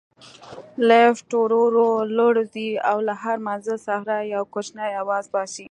لفټ ورو ورو لوړ ځي او له هر منزل سره یو کوچنی اواز باسي.